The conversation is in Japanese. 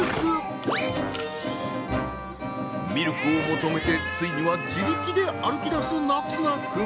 ミルクを求めてついには自力で歩き出す凪維君。